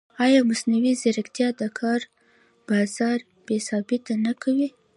ایا مصنوعي ځیرکتیا د کار بازار بېثباته نه کوي؟